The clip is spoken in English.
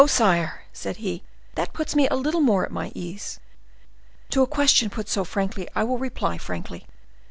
sire," said he, "that puts me a little more at my ease. To a question put so frankly, I will reply frankly.